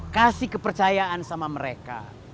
kasih kepercayaan sama mereka